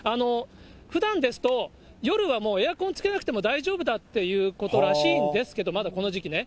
ふだんですと、夜はもうエアコンつけなくても大丈夫だっていうことらしいんですけど、まだこの時期ね。